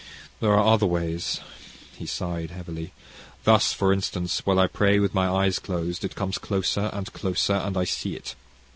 There are other ways," he sighed heavily; "thus, for instance, while I pray with my eyes closed, it comes closer and closer, and I see it.